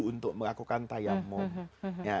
untuk melakukan tayammum